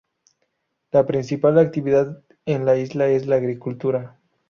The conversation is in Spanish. La principal actividad en la isla es la agricultura.